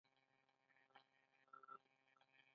باکټریاوې د نمو لپاره کافي خوړو ته ضرورت لري.